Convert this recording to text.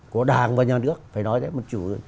của đảng và nhà nước phải nói thế